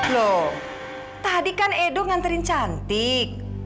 loh tadi kan edo nganterin cantik